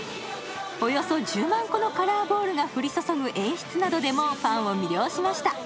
およそ１０万個のカラーボールが降り注ぐ演出などでもファンを魅了しました。